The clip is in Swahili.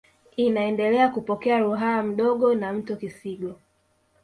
Inaendelea kupokea Ruaha Mdogo na mto Kisigo